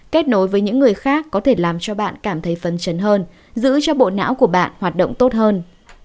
kết nối với những người khác có thể làm cho bạn cảm thấy phấn chấn hơn giữ cho bộ não của bạn hoạt động tốt hơn